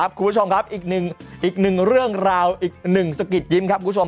คุณผู้ชมครับอีกหนึ่งเรื่องราวอีกหนึ่งสะกิดยิ้มครับคุณผู้ชม